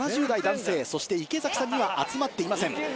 ７０代男性そして池崎さんには集まっていません。